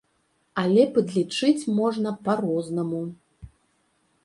Але падлічыць можна па-рознаму.